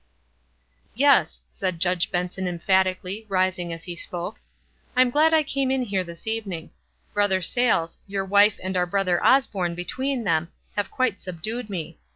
"Yes," said Judge Benson emphatically, ris ing as he spoke. " I'm glad I came in here this evening. Brother Sayles, your wife and our Brother Osborne between them have quite sub dued me.